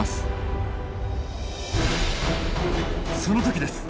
その時です。